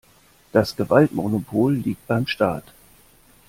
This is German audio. Das Gewaltmonopol liegt beim Staat.